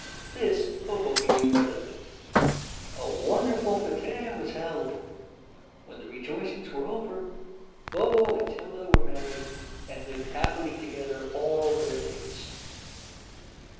This Bobo gave readily. A wonderful fete was held. When the rejoicings were over, Bobo and Tilda were married, and lived happily together all their days.